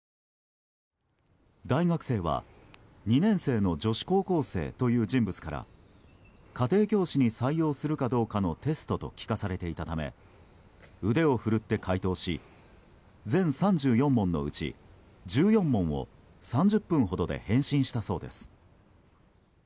大学生は２年生の女子高校生という人物から家庭教師に採用するかどうかのテストと聞かされていたため腕を振るって解答し全３４問のうち１４問を３０分ほどで返信したそうです。